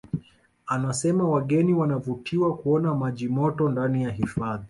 Anasema wageni wanavutiwa kuona maji moto ndani ya hifadhi